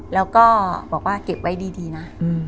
แล้วก็บอกว่าเก็บไว้ดีนะ